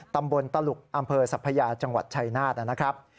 ตำบลตลุกอำเภอสัพยาจังหวัดชัยนาธนะครับ